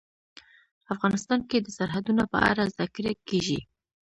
افغانستان کې د سرحدونه په اړه زده کړه کېږي.